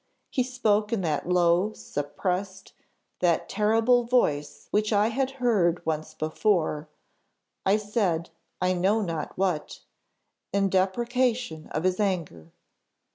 He spoke in that low, suppressed, that terrible voice which I had heard once before; I said, I know not what, in deprecation of his anger.